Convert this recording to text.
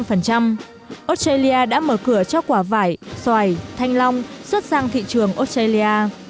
australia đã mở cửa cho quả vải xoài thanh long xuất sang thị trường australia